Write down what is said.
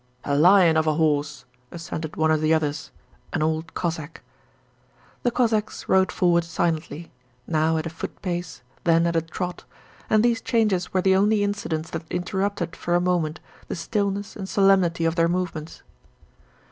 'A lion of a horse,' assented one of the others, an old Cossack. The Cossacks rode forward silently, now at a footpace, then at a trot, and these changes were the only incidents that interrupted for a moment the stillness and solemnity of their movements.